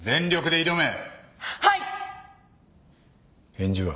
返事は？